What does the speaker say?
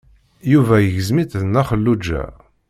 Yuba igzem-itt d Nna Xelluǧa.